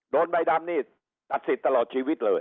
ใบดำนี่ตัดสิทธิ์ตลอดชีวิตเลย